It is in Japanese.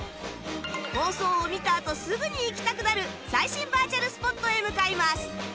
放送を見たあとすぐに行きたくなる最新バーチャルスポットへ向かいます